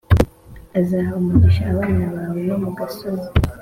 azaha umugisha abana bawe, no mu gasozi